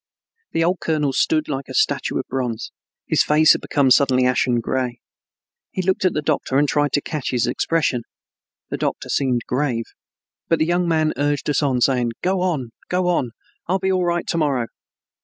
The old colonel stood like a statue of bronze. His face had become suddenly ashen gray. He looked at the doctor and tried to catch his expression. The doctor seemed grave. But the young man urged us on, saying, "Go on, go on, I'll be all right to morrow."